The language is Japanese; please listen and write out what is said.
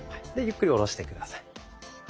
ゆっくり下ろして下さい。